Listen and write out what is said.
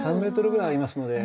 ３ｍぐらいありますので。